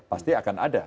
pasti akan ada